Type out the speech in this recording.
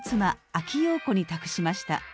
阿木燿子に託しました。